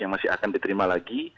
yang masih akan diterima lagi